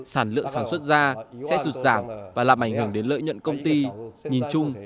sản lượng sản xuất ra sẽ sụt giảm và làm ảnh hưởng đến lợi nhuận công ty nhìn chung